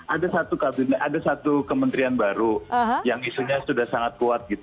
ada satu kabinet ada satu kementerian baru yang isunya sudah sangat kuat